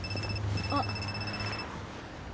あっ。